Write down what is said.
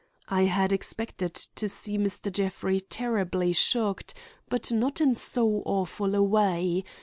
I had expected to see Mr. Jeffrey terribly shocked, but not in so awful a way.